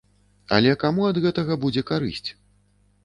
Але каму ад гэтага будзе карысць?